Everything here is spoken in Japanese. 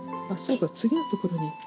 あ、そうか、次のところに。